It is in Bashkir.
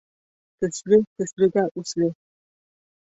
Көслө көслөгә үсле.